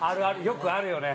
よくあるよね。